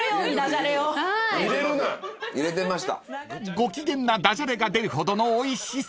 ［ご機嫌な駄じゃれが出るほどのおいしさ］